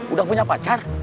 udah punya pacar